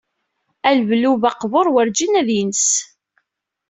Aleblub aqbur werǧin ad yens.